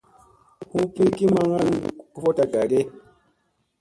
Hu pikki maŋga ɗum kofoɗta gage ?